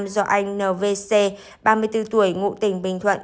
năm trăm bảy mươi năm do anh nvc ba mươi bốn tuổi ngụ tỉnh bình thuận